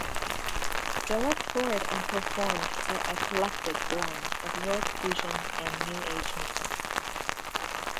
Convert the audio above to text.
Do’a toured and performed their eclectic blend of World Fusion and New Age music.